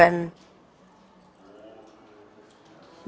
apa yang kamu ingin lakukan untuk menjadi penari